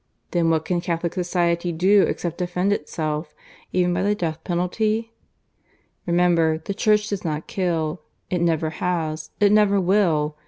Then what can Catholic society do except defend itself, even by the death penalty? Remember, the Church does not kill. It never has; it never will.